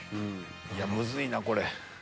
いやむずいなこれ。